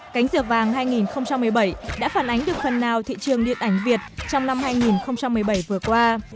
cánh diều vàng hai nghìn một mươi bảy đã phản ánh được phần nào thị trường điện ảnh việt trong năm hai nghìn một mươi bảy vừa qua